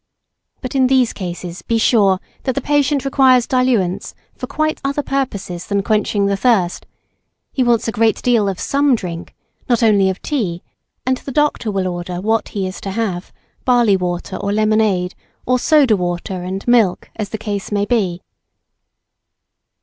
But in these cases be sure that the patient requires diluents for quite other purposes than quenching the thirst; he wants a great deal of some drink, not only of tea, and the doctor will order what he is to have, barley water or lemonade, or soda water and milk, as the case may be.